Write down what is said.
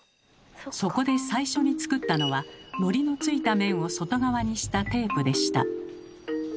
そこで最初に作ったのはのりのついた面を外側にしたテープでした。